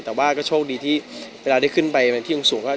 แต่ว่าก็โชคดีถ้าได้ขึ้นมาคือพออยู่สูง